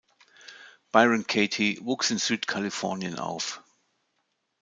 Byron Katie wuchs in Südkalifornien auf.